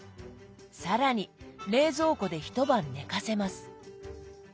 更に冷蔵庫で一晩寝かせます。